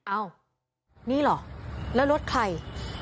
อ้าวนี่เหรอแล้วรถใคร